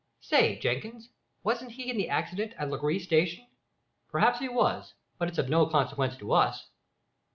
Stay, Jenkins, wasn't he in the accident at Langrye station?" "Perhaps he was; but it's of no consequence to us."